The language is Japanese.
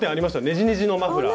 ねじねじのマフラー。